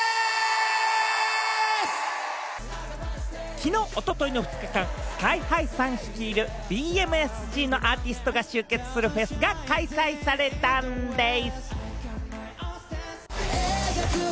きのうおとといの２日間、ＳＫＹ−ＨＩさん率いるＢＭＳＧのアーティストが集結するフェスが開催されたんでぃす。